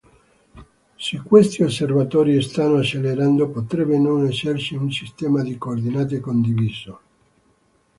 Se questi osservatori stanno accelerando, potrebbe non esserci un sistema di coordinate condiviso.